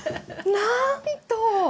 なんと！